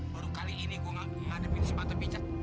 baru kali ini gue ngadepin sepatu picat